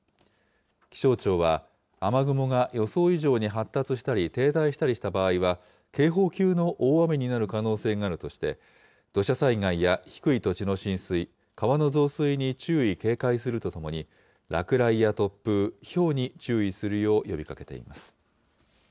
気象庁は、雨雲が予想以上に発達したり、停滞したりした場合は、警報級の大雨になる可能性があるとして、土砂災害や低い土地の浸水、川の増水に注意、警戒するとともに、落雷や突風、ひょうに注意するよう呼びかけています。